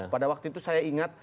pada waktu itu saya ingat